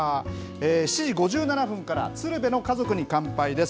７時５７分から鶴瓶の家族に乾杯です。